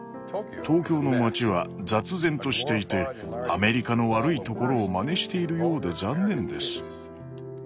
東京の街は雑然としていてアメリカの悪いところを真似しているようで残念です。